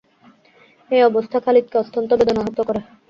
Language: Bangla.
এ অবস্থা খালিদ কে অত্যন্ত বেদনাহত করে।